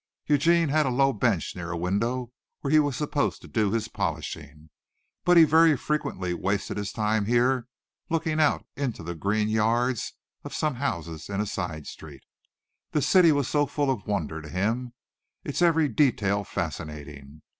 Eugene had a low bench near a window where he was supposed to do his polishing, but he very frequently wasted his time here looking out into the green yards of some houses in a side street. The city was full of wonder to him its every detail fascinating.